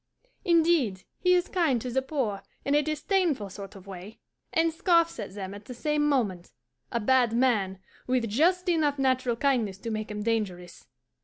Indeed, he is kind to the poor in a disdainful sort of way. He gives to them and scoffs at them at the same moment; a bad man, with just enough natural kindness to make him dangerous.